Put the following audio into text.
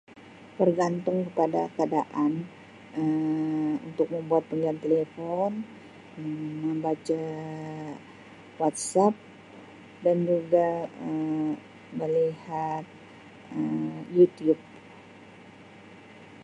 Bergantung kepada keadaan Um untuk membuat panggilan telefon, Um membaca WhatsApp, dan juga melihat Um YouTube.